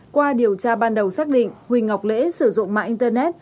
qua điều tra ban đầu xác định huỳnh ngọc lễ sử dụng mạng internet